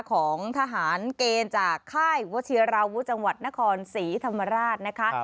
ของทหารเกณฑ์จากค่ายวัชิราวุจังหวัดนครศรีธรรมราชนะคะ